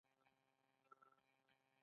نیکه کیسې کوي.